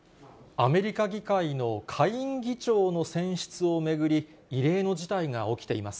アメリカ議会の下院議長の選出を巡り、異例の事態が起きています。